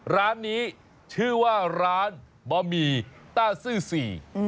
ร้านนี้ชื่อว่าร้านบะหมี่ต้าซื่อสี่